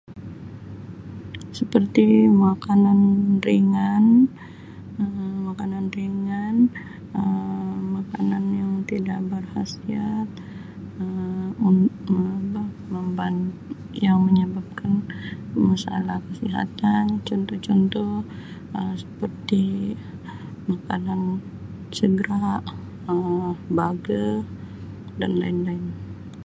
Seperti makanan ringan Um makanan ringan, Um makanan yang tidak berkhasiat, Um [unintelligible] yang menyebabkan masalah kesihatan contoh-contoh Um seperti makanan segera, Um burger dan lain-lain.